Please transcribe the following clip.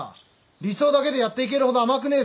理想だけでやっていけるほど甘くねえぞ。